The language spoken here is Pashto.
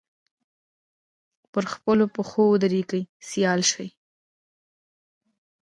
پر خپلو پښو ودرېږي سیال شي